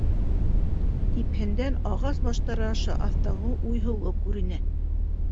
Типһәндән ағас баштары аша аҫтағы уйһыулыҡ күренә.